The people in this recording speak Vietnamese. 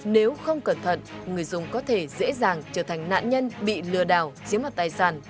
nếu không cẩn thận người dùng có thể dễ dàng trở thành nạn nhân bị lừa đảo chiếm mặt tài sản